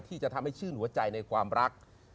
ที่จะทำให้ชื่นหัวใจในความรัก